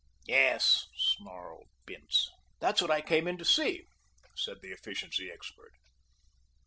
"Yes," snarled Bince. "That's what I came in to see," said the efficiency expert.